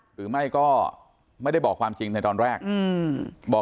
หรือไม่ก็ไม่ได้บอกความจริงในตอนแรกบอก